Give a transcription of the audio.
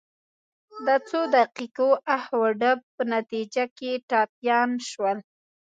د څو دقیقو اخ و ډب په نتیجه کې ټپیان شول.